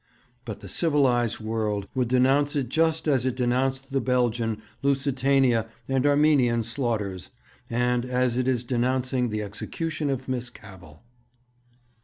But the civilized world would denounce it just as it denounced the Belgian, Lusitania, and Armenian slaughters, and as it is denouncing the execution of Miss Cavell.'